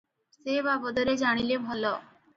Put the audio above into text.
ସେ ବାବଦରେ ଜାଣିଲେ ଭଲ ।